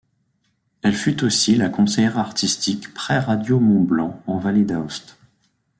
Elle fut aussi la conseillère artistique près Radio Mont Blanc en Vallée d'Aoste.